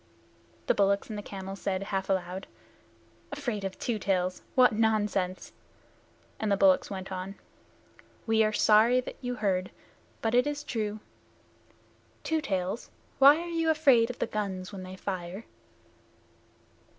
The bullocks and the camel said, half aloud, "Afraid of Two Tails what nonsense!" And the bullocks went on, "We are sorry that you heard, but it is true. Two Tails, why are you afraid of the guns when they fire?"